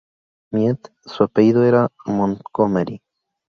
Meath, su apellido era Montgomery.